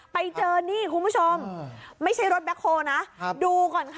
ไปเจอนี่คุณผู้ชมไม่ใช่รถแบ็คโฮลนะดูก่อนค่ะ